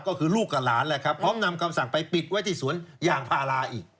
ก็คือลูกกับหลานแหละครับพร้อมนำคำสั่งไปปิดไว้ที่สวนยางพาราอีก